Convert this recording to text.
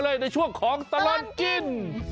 สวัสดีครับคุณพี่สวัสดีครับ